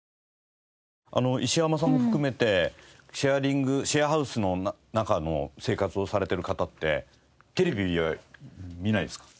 石山さんも含めてシェアリングシェアハウスの中の生活をされてる方ってテレビは見ないですか？